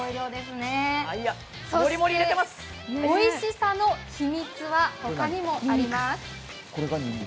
そして、おいしさの秘密は他にもあります。